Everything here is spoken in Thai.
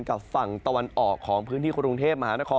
กับฝั่งตะวันออกของพื้นที่กุฏรุงเทพฯ